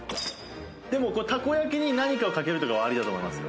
でもたこ焼きに何かを掛けるとかはありだと思いますよ